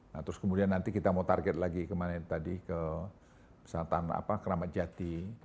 nah terus kemudian nanti kita mau target lagi kemana tadi ke pesantren apa keramat jati